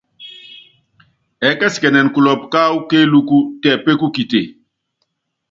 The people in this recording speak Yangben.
Ɛɛ́kɛsikɛnɛn kulɔpu káwú kéelúku tɛ pékukite.